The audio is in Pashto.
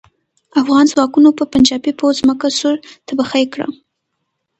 افغان ځواکونو پر پنجاپي پوځ ځمکه سور تبخی کړه.